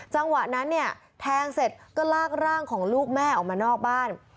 จังหวะนั้นเนี่ยแทงเสร็จก็ลากร่างของลูกแม่ออกมานอกบ้าน